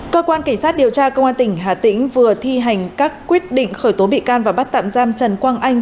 cơ quan cảnh sát điều tra công an tỉnh hà tĩnh vừa thi hành các quyết định khởi tố bị can và bắt tạm giam trần quang anh